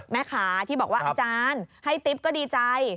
แม่ค้าที่บอกว่าอาจารย์ให้ติ๊บก็ดีใจ